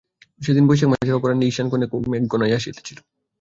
সেদিন বৈশাখ মাসের অপরাহ্নে ঈশান কোণে মেঘ ঘনাইয়া আসিতেছিল।